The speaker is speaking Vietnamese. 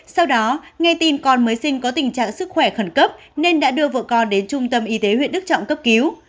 sau đó nghe tin con mới sinh có tình trạng sức khỏe khẩn cấp nên đã đưa vợ con đến trung tâm y tế huyện đức trọng cấp cứu